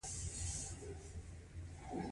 هره ورځ یوه اندازه توکي پلورل کېږي